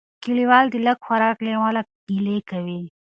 کلیوال د لږ خوراک له امله ګیلې کوي.